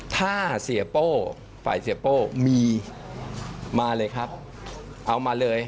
ถ้าเสียโป้ฝ่ายเสียโป้มีมาเลยครับเอามาเลย